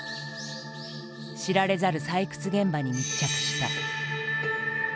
知られざる採掘現場に密着した。